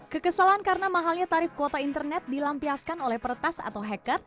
kekesalan karena mahalnya tarif kuota internet dilampiaskan oleh peretas atau hacker